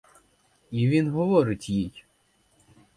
І він говорить їй.